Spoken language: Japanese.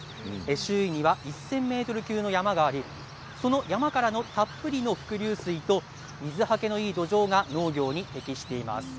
周囲には１０００ｍ級の山がありその山からたっぷりの伏流水と水はけのいい土壌が農業に適しています。